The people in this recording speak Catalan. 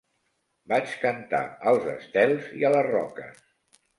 Vaig cantar als estels i a les roques.